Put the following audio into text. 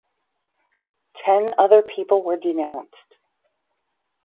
Ten other people were denounced.